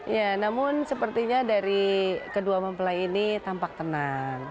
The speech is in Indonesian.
ya namun sepertinya dari kedua mempelai ini tampak tenang